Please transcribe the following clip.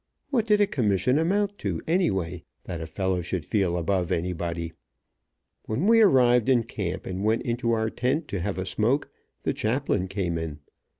What did a commission amount to, anyway, that a fellow should feel above anybody. When we arrived in camp, and went into our tent to have a smoke, the chaplain came in.